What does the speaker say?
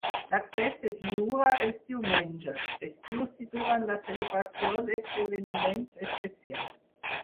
L'accés és lliure els diumenges, festius i durant la celebració d'esdeveniments especials.